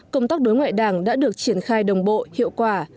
công tác đối ngoại đảng đã được triển khai đồng bộ hiệu quả